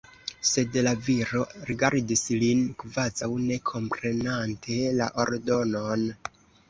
Sed la viro rigardis lin, kvazaŭ ne komprenante la ordonon.